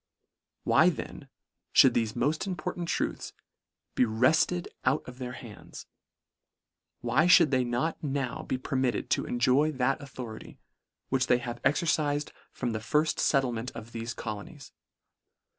Why then N 98 LETTER IX. fhould thefe moll; important truths be wrefted out of their hands ? Why mould they not now be permitted to enjoy that authority, which they have exercifed from the firft fettlement of thefe colonies